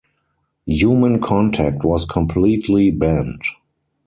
Human contact was completely banned.